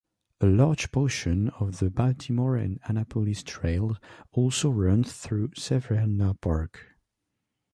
A large portion of the Baltimore and Annapolis Trail also runs through Severna Park.